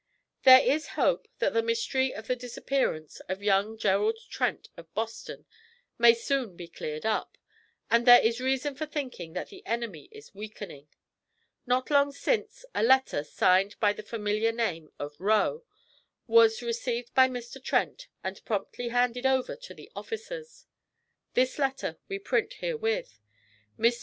'There is hope that the mystery of the disappearance of young Gerald Trent of Boston may soon be cleared up. And there is reason for thinking that the enemy is weakening. Not long since a letter, signed by the familiar name of "Roe," was received by Mr. Trent and promptly handed over to the officers. This letter we print herewith. Mr.